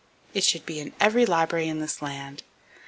It should be in every library in this land.